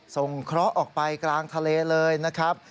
เคราะห์ออกไปกลางทะเลเลยนะครับ